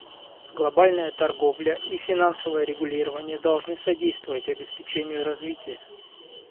Глобальная торговля и финансовое регулирование должны содействовать обеспечению развития.